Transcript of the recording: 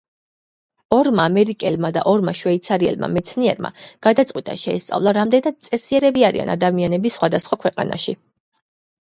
ორმა ამერიკელმა და ორმა შვეიცარიელმა მეცნიერმა, გადაწყვიტა შეესწავლა, რამდენად წესიერები არიან ადამიანები სხვადასხვა ქვეყანაში.